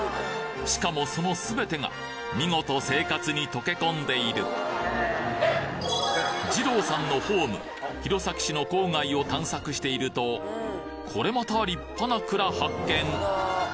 しかもその全てが見事生活に溶け込んでいるじろうさんのホーム弘前市の郊外を探索しているとこれまた立派な蔵発見！